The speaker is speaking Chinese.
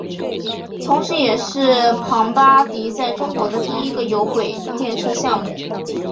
同时也是庞巴迪在中国的第一个有轨电车项目。